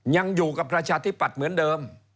ยังอยู่กับประชาธิปัตย์เหมือนเดิม